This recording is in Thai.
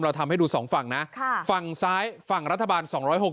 เราทำให้ดูสองฝั่งนะฝั่งซ้ายฝั่งรัฐบาล๒๖๖